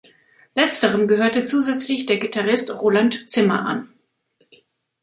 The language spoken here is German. Letzterem gehörte zusätzlich der Gitarrist Roland Zimmer an.